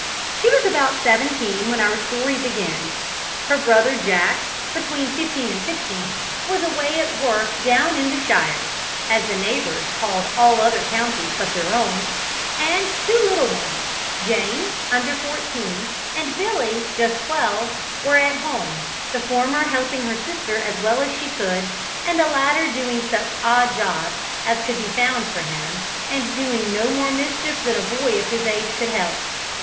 She was about seventeen when our story begins; her brother Jack, between fifteen and sixteen, was away at work "down in the sheers" (shires), as the neighbours called all other counties but their own; and two little ones, Jane, under fourteen, and Billy, just twelve, were at home, the former helping her sister as well as she could, and the latter doing such odd jobs as could be found for him, and doing no more mischief than a boy of his age could help.